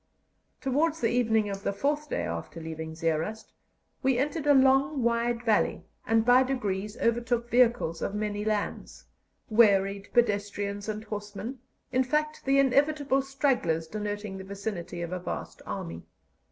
Towards the evening of the fourth day after leaving Zeerust, we entered a long wide valley, and by degrees overtook vehicles of many lands, wearied pedestrians, and horsemen in fact, the inevitable stragglers denoting the vicinity of a vast army.